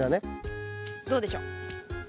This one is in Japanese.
どうでしょう？